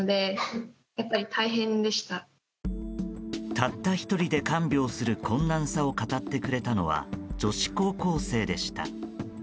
たった１人で看病する困難さを語ってくれたのは女子高校生でした。